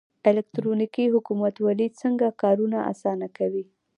الکترونیکي حکومتولي څنګه کارونه اسانه کوي؟